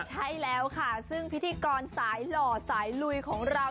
ใช่แล้วค่ะซึ่งพิธีกรสายหล่อสายลุยของเรา